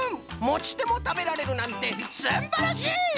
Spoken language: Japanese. もちてもたべられるなんてすんばらしい！